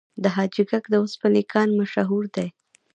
د حاجي ګک د وسپنې کان مشهور دی